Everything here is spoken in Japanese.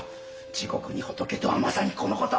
「地獄に仏」とはまさにこのこと。